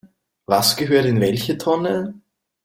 Was gehört in welche Tonne?